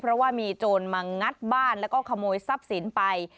เพราะว่ามีโจรมางัดบ้านแล้วก็ขโมยทรัพย์สินไป